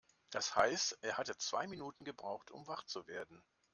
Das heißt, er hatte zwei Minuten gebraucht, um wach zu werden.